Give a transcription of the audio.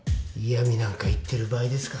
嫌みなんか言ってる場合ですか。